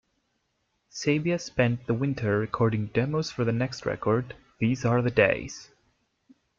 Saybia spent the winter recording demo's for the next record "These are the days".